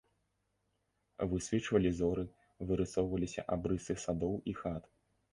Высвечвалі зоры, вырысоўваліся абрысы садоў і хат.